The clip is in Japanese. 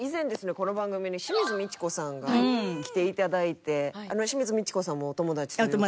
この番組に清水ミチコさんが来て頂いて清水ミチコさんもお友達という事で。